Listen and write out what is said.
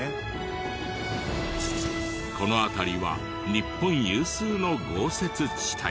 この辺りは日本有数の豪雪地帯。